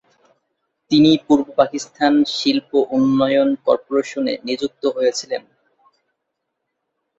তিনি পূর্ব পাকিস্তান শিল্প উন্নয়ন কর্পোরেশনে নিযুক্ত হয়েছিলেন।